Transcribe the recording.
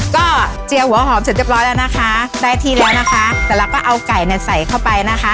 ก็เจียวหัวหอมเสร็จเรียบร้อยแล้วนะคะได้ที่แล้วนะคะแต่เราก็เอาไก่เนี่ยใส่เข้าไปนะคะ